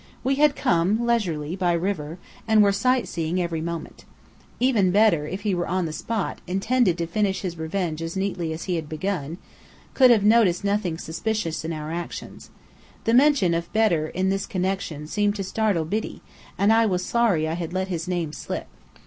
We had come, leisurely, by river, and were sightseeing every moment. Even Bedr, if he were on the spot, intending to finish his revenge as neatly as it had been begun, could have noticed nothing suspicious in our actions. The mention of Bedr in this connection seemed to startle Biddy, and I was sorry I had let his name slip.